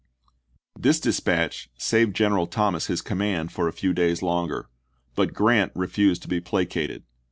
This dispatch saved General Thomas his com mand for a few days longer; but Grant refused to be placated.